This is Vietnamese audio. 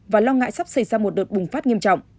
và lo ngại sắp xảy ra một đợt bùng phát nghiêm trọng